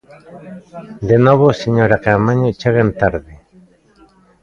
De novo, señora Caamaño, chegan tarde.